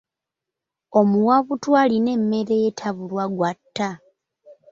Omuwabutwa alina emmere ye tabulwa gw’atta.